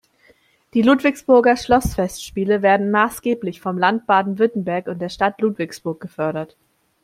Die Ludwigsburger Schlossfestspiele werden maßgeblich vom Land Baden-Württemberg und der Stadt Ludwigsburg gefördert.